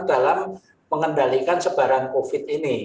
dalam mengendalikan sebaran covid ini